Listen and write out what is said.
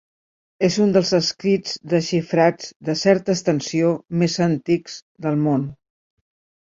És un dels escrits desxifrats, de certa extensió, més antics del món.